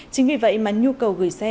chính vì vậy mà nhu cầu gửi xe